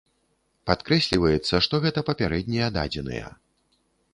Падкрэсліваецца, што гэта папярэднія дадзеныя.